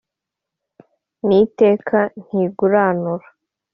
ni iteka ntiguranura